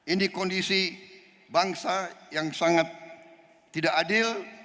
ini kondisi bangsa yang sangat tidak adil